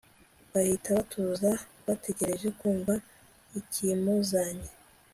bahita batuza bategereje kumva ikimuzanye